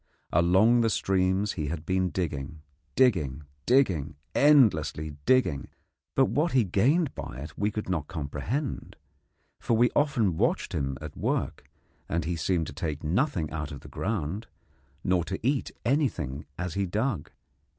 Along the streams he had been digging, digging, digging, endlessly digging, but what he gained by it we could not comprehend; for we often watched him at work, and he seemed to take nothing out of the ground, nor to eat anything as he dug.